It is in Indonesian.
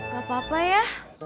gak apa apa ya